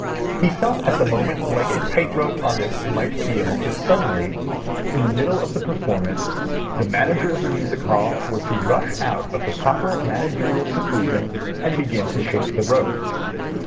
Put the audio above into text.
He felt at the moment like a tight rope artist might feel if suddenly, in the middle of the performance, the manager of the Music Hall were to rush out of the proper managerial seclusion and begin to shake the rope.